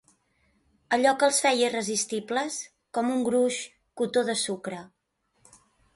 Allò que els feia irresistibles, com un gruix cotó de sucre.